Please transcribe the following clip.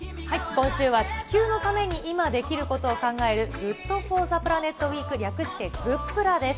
今週は地球のために今できることを考えるＧｏｏｄＦｏｒｔｈｅＰｌａｎｅｔウィーク、略してグップラです。